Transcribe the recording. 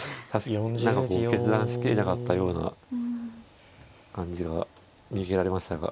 何かこう決断しきれなかったような感じが見受けられましたが。